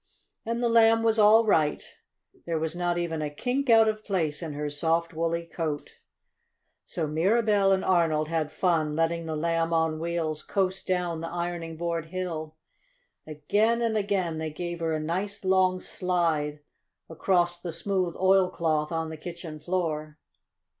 And the Lamb was all right there was not even a kink out of place in her soft, woolly coat. So Mirabell and Arnold had fun letting the Lamb on Wheels coast down the ironing board hill. Again and again they gave her a nice, long slide across the smooth oilcloth on the kitchen floor.